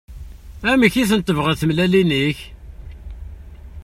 Amek i ten-tebɣiḍ tmellalin-ik?